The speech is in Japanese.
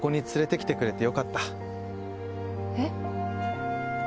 えっ？